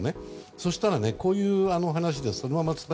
そうしたら、こういう話です。